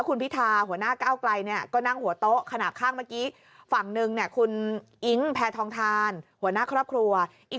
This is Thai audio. คุณมิธายังมั่นใจ